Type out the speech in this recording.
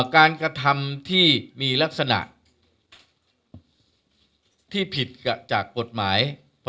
กระทำที่มีลักษณะที่ผิดจากกฎหมาย